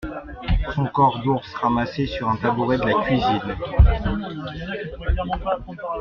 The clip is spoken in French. son corps d’ours ramassé sur un tabouret de la cuisine